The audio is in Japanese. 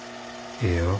ええよ。